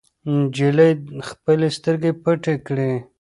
نجلۍ خپلې سترګې پټې کړې.